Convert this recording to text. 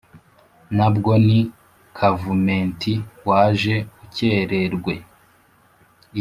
Nabwo ni Kavumenti waje ukererwe i